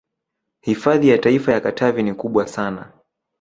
Hifadhi ya Taifa ya Katavi ni kubwa sana